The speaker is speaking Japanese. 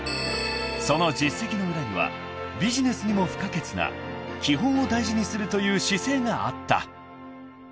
［その実績の裏にはビジネスにも不可欠な基本を大事にするという姿勢があった］